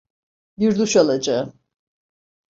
Bir duş alacağım.